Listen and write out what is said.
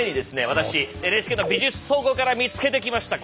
私ＮＨＫの美術倉庫から見つけてきました！